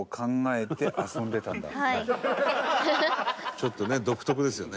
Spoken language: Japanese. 「ちょっとね独特ですよね」